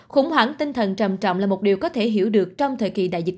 khủng hoảng tinh thần trầm trọng là một điều có thể hiểu được trong thời kỳ đại dịch